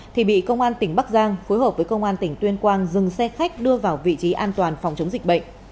thì bị công an tỉnh bắc giang phối hợp với công an tỉnh tuyên quang dừng xe khách đưa vào vị trí an toàn phòng chống dịch bệnh